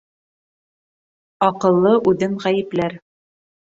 Аҡыллы үҙен ғәйепләр